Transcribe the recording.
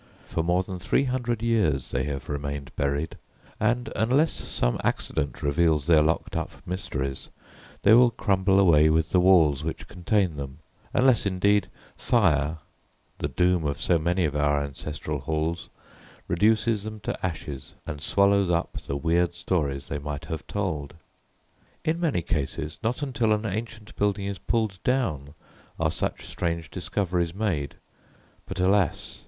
For more than three hundred years they have remained buried, and unless some accident reveals their locked up mysteries, they will crumble away with the walls which contain them; unless, indeed, fire, the doom of so many of our ancestral halls, reduces them to ashes and swallows up the weird stories they might have told. In many cases not until an ancient building is pulled down are such strange discoveries made; but, alas!